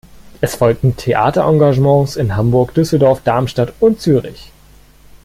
Es folgten Theaterengagements in Hamburg, Düsseldorf, Darmstadt und Zürich.